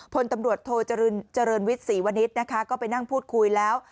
พลตำรวจโทเจริญวิทย์ศรีวณิชย์นะคะก็ไปนั่งพูดคุยแล้ว